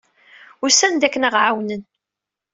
Usan-d akken ad aɣ-ɛawnen.